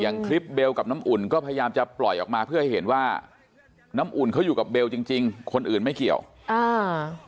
คลิปเบลกับน้ำอุ่นก็พยายามจะปล่อยออกมาเพื่อให้เห็นว่าน้ำอุ่นเขาอยู่กับเบลจริงจริงคนอื่นไม่เกี่ยวอ่า